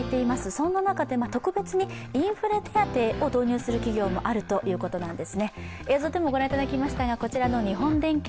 そんな中で特別にインフレ手当を導入する企業もあるということです。